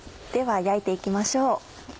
では焼いて行きましょう。